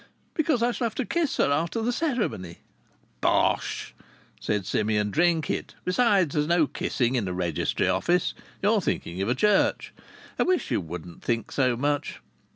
"Because I shall have to kiss her after the ceremony." "Bosh!" said Simeon. "Drink it. Besides, there's no kissing in a Registry Office. You're thinking of a church. I wish you wouldn't think so much.